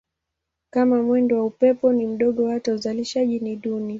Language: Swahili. Kama mwendo wa upepo ni mdogo hata uzalishaji ni duni.